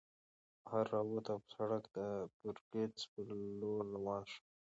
بهر راووتو او پۀ سړک د برکڅ په لور روان شو